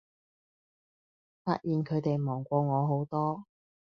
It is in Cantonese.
發現佢地忙過我好多